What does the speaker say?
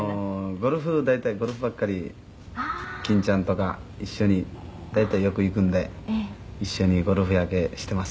「ゴルフ大体ゴルフばっかり」「ああー」「欽ちゃんとか一緒に大体よく行くんで一緒にゴルフ焼けしています」